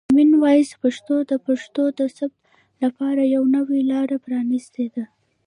کامن وایس پښتو د پښتو د ثبت لپاره یوه نوې لاره پرانیستې ده.